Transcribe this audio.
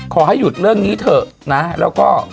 ขอให้หยุดเรื่องนี้เถอะนะแล้วก็